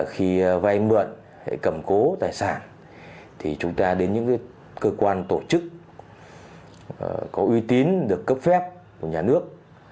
khi vay mượn cầm cố tài sản thì chúng ta đến những cơ quan tổ chức có uy tín được cấp phép của nhà nước